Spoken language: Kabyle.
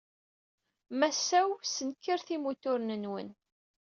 Massaw, snekret imuturen-nwen.